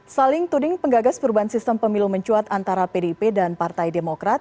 saling tuding penggagas perubahan sistem pemilu mencuat antara pdip dan partai demokrat